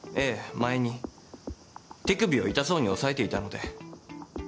前に手首を痛そうに押さえていたので。